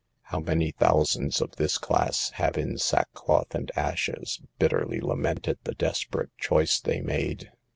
How many thousands of this class have in sackcloth and ashes bitterly lamented the desperate choice they made?